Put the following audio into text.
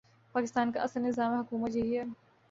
پاکستان کا اصل نظام حکومت یہی ہے۔